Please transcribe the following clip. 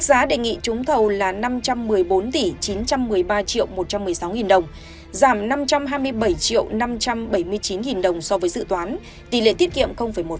gói thầu là năm trăm một mươi bốn chín trăm một mươi ba một trăm một mươi sáu đồng giảm năm trăm hai mươi bảy năm trăm bảy mươi chín đồng so với dự toán tỷ lệ tiết kiệm một